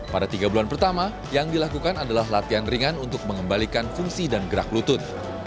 pada tiga bulan pertama yang dilakukan adalah latihan ringan untuk mengembalikan fungsi dan gerak lutut